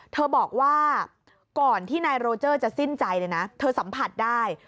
เธอบอกว่าก่อนที่นายโรเจอร์จะสิ้นใจเลยนะเธอสัมผัสได้